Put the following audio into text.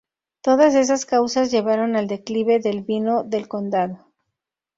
Todas estas causas llevaron al declive del vino del condado.